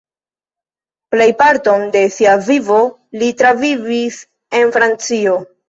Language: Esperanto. Plejparton de sia vivo li travivis en Francio.